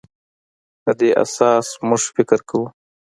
په دې اساس موږ فکر کوو.